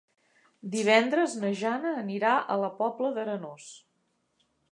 Divendres na Jana anirà a la Pobla d'Arenós.